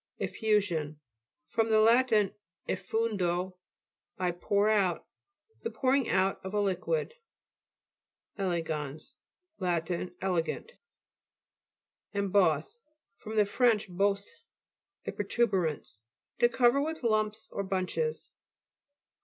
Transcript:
^ EFFU'SION fr. lat. effundo, I pour out. The pouring out of a liquid. E'LEGANS Lat. Elegant. EMBOSS fr. fr. bo&se, a protuber ance. To cover with lumps or bunches.